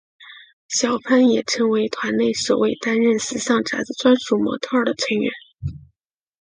小坂也成为团内首位担任时尚杂志专属模特儿的成员。